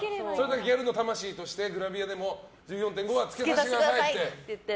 ギャルの魂としてグラビアでも１４．５は着けさせてくださいって言って。